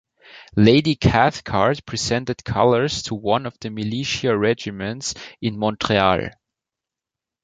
Lady Cathcart presented colours to one of the militia regiments in Montreal.